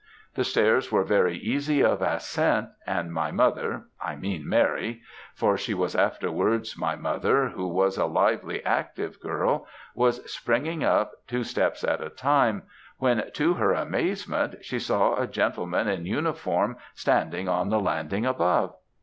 The stairs were very easy of ascent, and my mother I mean Mary for she was afterwards my mother, who was a lively, active girl, was springing up two steps at a time, when, to her amazement, she saw a gentleman in uniform standing on the landing above.